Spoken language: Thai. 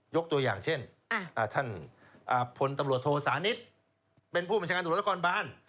ยกตัวอย่างเช่นท่านพลตำรวจโทสานิทเป็นผู้บัญชาการตำรวจนครบาน